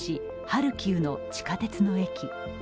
ハルキウの地下鉄の駅。